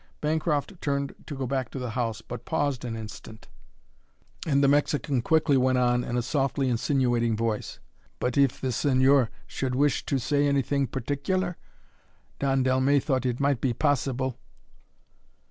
Bancroft turned to go back to the house, but paused an instant, and the Mexican quickly went on in a softly insinuating voice: "But if the señor should wish to say anything particular? Don Dellmey thought it might be possible."